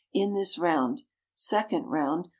in this round. 2d round.